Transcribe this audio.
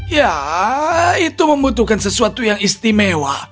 ya itu membutuhkan sesuatu yang istimewa